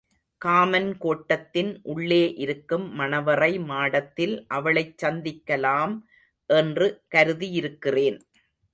Common கோட்டத்தின் உள்ளே இருக்கும் மணவறை மாடத்தில் அவளைச் சந்திக்கலாம் என்று கருதியிருக்கிறேன்.